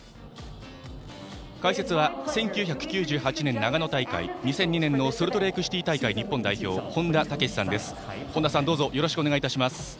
解説は１９９８年長野大会、２００２年のソルトレークシティー大会日本代表、本田武史さんです。